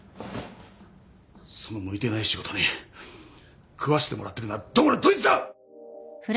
その向いてない仕事に食わせてもらってるのはどこのどいつだ！